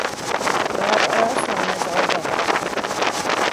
Rahat ararsan mezarda.